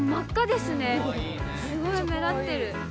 すごい目立ってる。